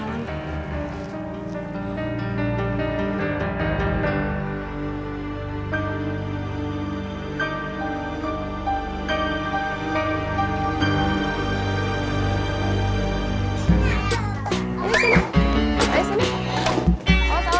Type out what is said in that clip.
wah sama sekali